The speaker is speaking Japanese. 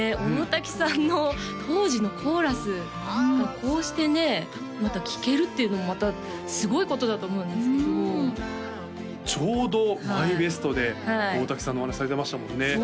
大滝さんの当時のコーラスがこうしてねまた聴けるっていうのもすごいことだと思うんですけどちょうどＭＹＢＥＳＴで大滝さんのお話されてましたもんね